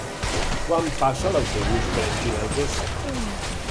Quan passa l'autobús per Espinelves?